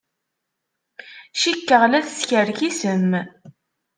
Cikkeɣ la teskerkisem.